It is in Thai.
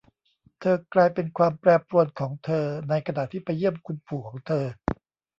เธอกลายเป็นความแปรปรวนของเธอในขณะที่ไปเยี่ยมคุณปู่ของเธอ